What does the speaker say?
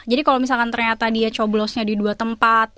jadi kalau misalkan ternyata dia coblosnya di dua tempat